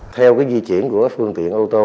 theo di chuyển của phương tiện ô tô